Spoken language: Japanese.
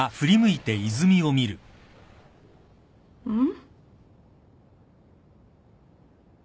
うん？